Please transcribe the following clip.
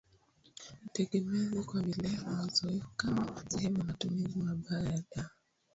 utegemezi kwa vileo na uzoevu kama sehemu ya matumizi mabaya ya dawa